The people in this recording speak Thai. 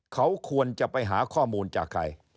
เขาควรจะไปหาข้อมูลจากใคร